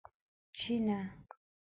چې نه!